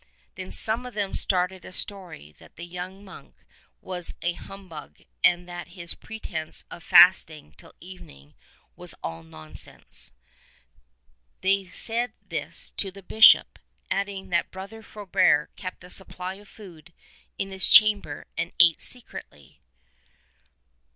Then some of them started a story that the young monk was a humbug and that his pretense of fasting till evening was all nonsense. They said this to the Bishop, adding that Brother Frobert kept a supply of food in his chamber and ate secretly.